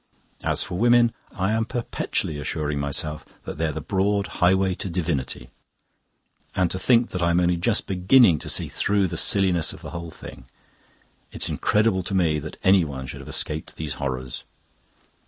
As for women, I am perpetually assuring myself that they're the broad highway to divinity. And to think that I'm only just beginning to see through the silliness of the whole thing! It's incredible to me that anyone should have escaped these horrors."